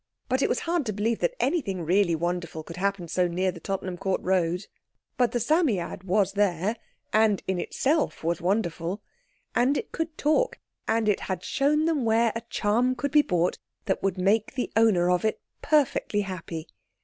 But it was hard to believe that anything really wonderful could happen so near the Tottenham Court Road. But the Psammead was there—and it in itself was wonderful. And it could talk—and it had shown them where a charm could be bought that would make the owner of it perfectly happy.